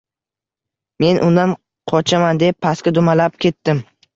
Men undan qochaman, deb pastga dumalab ketdim